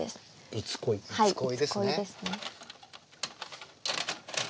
「いつ恋」ですね。